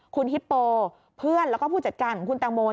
คุณฮิปโปเพื่อนแล้วก็ผู้จัดการของคุณตังโม